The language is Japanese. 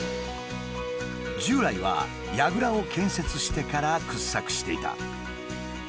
従来はやぐらを建設してから掘削していた。